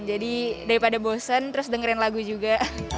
jadi daripada bosen terus dengerin lagu juga